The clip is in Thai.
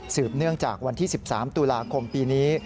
เนื่องจากวันที่๑๓ตุลาคมปีนี้